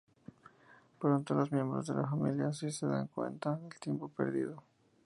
Pronto los miembros de la familia se dan cuenta del tiempo perdido.